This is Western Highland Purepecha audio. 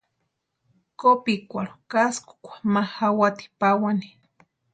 Kopikwarhu káskukwa ma jawati pawani.